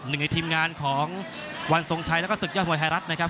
หนึ่งในทีมงานของวันนี้สองชายแล้วก็ศึกยาวมหายรัฐนะครับ